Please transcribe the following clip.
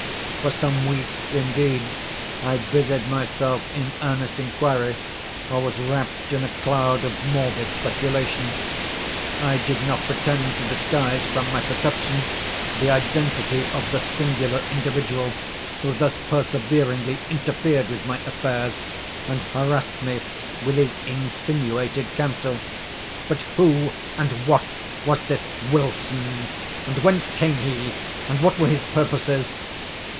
For some weeks, indeed, I busied myself in earnest inquiry, or was wrapped in a cloud of morbid speculation. I did not pretend to disguise from my perception the identity of the singular individual who thus perseveringly interfered with my affairs, and harassed me with his insinuated counsel. But who and what was this Wilson?—and whence came he?—and what were his purposes?